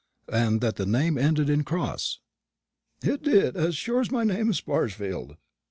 "And that the name ended in Cross?" "It did, as sure as my name is Sparsfield."